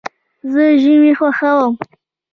زه ژمی خوښوم.